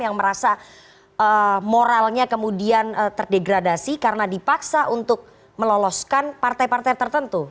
yang merasa moralnya kemudian terdegradasi karena dipaksa untuk meloloskan partai partai tertentu